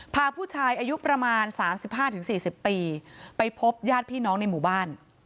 พาผู้ชายอายุประมาณ๓๕๔๐ปีไปพบญาติพี่น้องในหมู่บ้าน